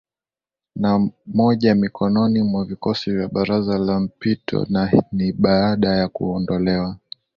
na moja mikononi mwa vikosi vya Baraza la Mpito na ni baada ya kuondolewa